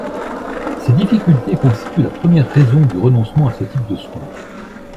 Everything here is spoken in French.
Ces difficultés constituent la première raison du renoncement à ce type de soins.